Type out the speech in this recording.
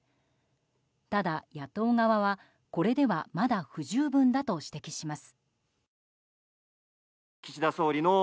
ただ野党側は、これではまだ不十分だと指摘します。